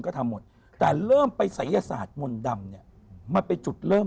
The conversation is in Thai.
ก็ทำหมดแต่เริ่มไปศัยศาสตร์มนต์ดำเนี่ยมันเป็นจุดเริ่ม